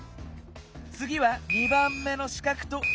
つぎは２ばんめのしかくとまる。